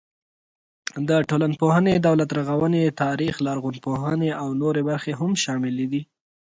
د ټولنپوهنې، دولت رغونې، تاریخ، لرغونپوهنې او نورې برخې هم شاملې دي.